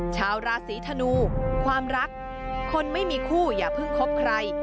ชาวราศีธนูความรักคนไม่มีคู่อย่าเพิ่งคบใคร